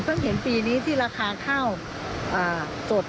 เห็นปีนี้ที่ราคาข้าวสด